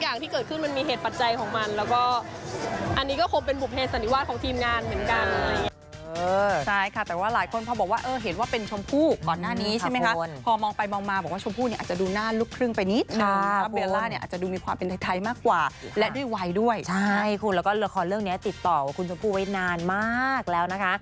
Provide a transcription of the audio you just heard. อะไรแบบนี้ทุกอย่างที่เกิดขึ้น